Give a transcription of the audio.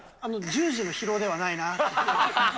１０時の疲労ではないなと。